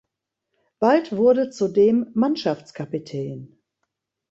Bald wurde zudem Mannschaftskapitän.